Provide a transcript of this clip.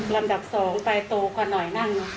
ลำดับ๒ไปโตกว่าหน่อยนั่ง